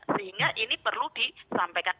sehingga ini perlu disampaikan